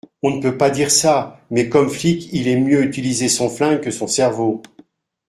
On ne peut pas dire ça, mais comme flic il aime mieux utiliser son flingue que son cerveau